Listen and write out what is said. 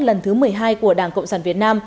lần thứ một mươi hai của đảng cộng sản việt nam